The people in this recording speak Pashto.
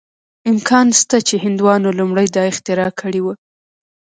امکان شته چې هندوانو لومړی دا اختراع کړې وه.